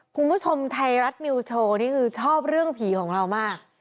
คุณผู้ชมไทยรัฐนิวโชว์นี่คือชอบเรื่องผีของเรามาก